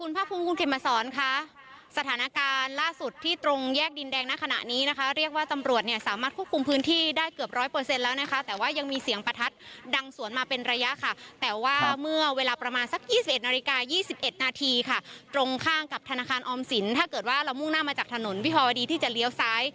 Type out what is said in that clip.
ภาคภูมิคุณเขมมาสอนค่ะสถานการณ์ล่าสุดที่ตรงแยกดินแดงณขณะนี้นะคะเรียกว่าตำรวจเนี่ยสามารถควบคุมพื้นที่ได้เกือบร้อยเปอร์เซ็นต์แล้วนะคะแต่ว่ายังมีเสียงประทัดดังสวนมาเป็นระยะค่ะแต่ว่าเมื่อเวลาประมาณสัก๒๑นาฬิกา๒๑นาทีค่ะตรงข้างกับธนาคารออมสินถ้าเกิดว่าเรามุ่งหน้ามาจากถนนวิภาวดีที่จะเลี้ยวซ้าย